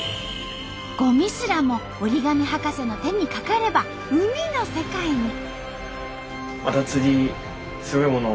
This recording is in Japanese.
ごみすらも折り紙博士の手にかかれば海の世界に！